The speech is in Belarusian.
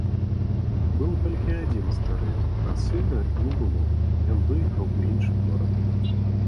Быў толькі адзін стары, а сына не было, ён выехаў у іншы горад.